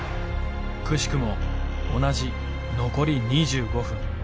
くしくも同じ残り２５分。